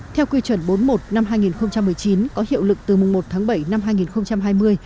theo quy chuẩn bốn mươi một năm hai nghìn một mươi chín có hiệu lực từ mùng một tháng bảy năm hai nghìn hai mươi